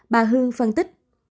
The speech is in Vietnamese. bà hương phân tích